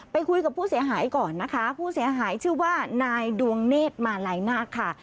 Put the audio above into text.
ไปคุยกับผู้เสียหายก่อนนะคะผู้เสียหายชื่อว่านายดวงเนธมาลัยนาคค่ะ